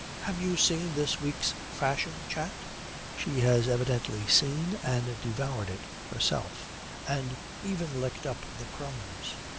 Have you seen this week's Fashion Chat?' She has evidently seen and devoured it herself, and even licked up the crumbs.